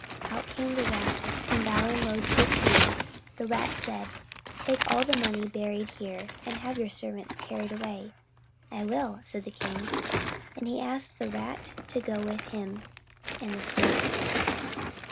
Out came the Rat, and bowing low to the king, the Rat said, "Take all the money buried here and have your servants carry it away." "I will," said the king, and he asked the Rat to go with him and the Snake.